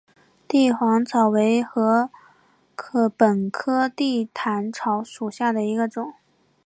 帝皇草为禾本科地毯草属下的一个种。